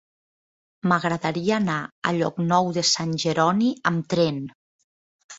M'agradaria anar a Llocnou de Sant Jeroni amb tren.